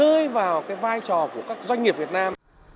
đưa vào cái vai trò của các doanh nghiệp việt nam